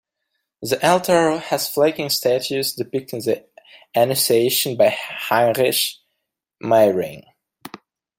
The altar has flanking statues depicting the "Annuciation" by Heinrich Meyring.